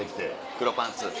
黒パンツ。